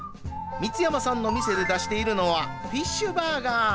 光山さんの店で出しているのはフィッシュバーガー。